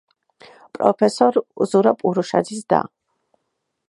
პროფესორ ზურაბ ურუშაძის და.